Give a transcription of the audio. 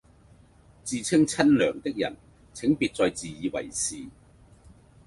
自稱娘親的人請別再自以為是